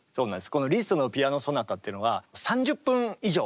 このリストの「ピアノ・ソナタ」っていうのは３０分以上。